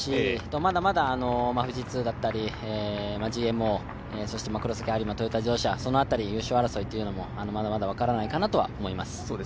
まだまだ富士通だったりＧＭＯ、そして黒崎播磨、トヨタ自動車の優勝争いもまだまだ分からないかなとは思います。